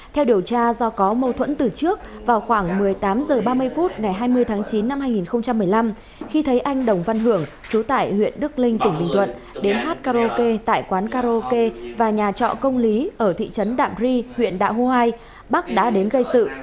theo điều tra do có mâu thuẫn từ trước vào khoảng một mươi tám h ba mươi phút ngày hai mươi tháng chín năm hai nghìn một mươi năm khi thấy anh đồng văn hưởng chú tải huyện đức linh tỉnh bình thuận đến hát karaoke tại quán karaoke và nhà trọ công lý ở thị trấn đạm ri huyện đạ hoai bắc đã đến gây sự